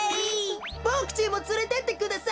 ボクちんもつれてってください。